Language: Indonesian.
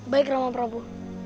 baik ramam prabu